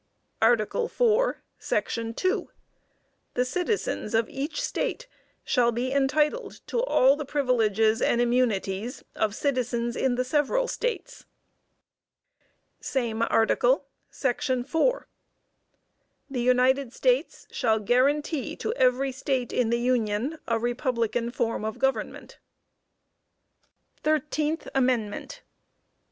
ARTICLE IV, Section 2. "The citizens of each State shall be entitled to all the privileges and immunities of citizens in the several States." Same Article, Section 4. "The United States shall guarantee to every State in the union a republican form of government." THIRTEENTH AMENDMENT.